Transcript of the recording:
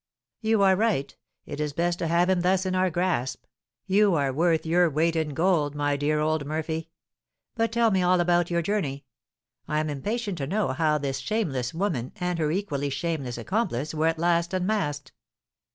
"You are right; it is best to have him thus in our grasp. You are worth your weight in gold, my dear old Murphy. But tell me all about your journey; I am impatient to know how this shameless woman, and her equally shameless accomplice, were at last unmasked."